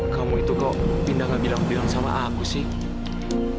kamu itu kok pindah gak bilang bilang sama aku sih